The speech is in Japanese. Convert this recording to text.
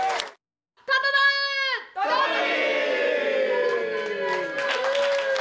よろしくお願いします！